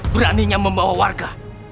beraninya membawa warga